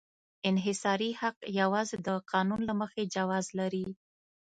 انحصاري حق یوازې د قانون له مخې جواز لري.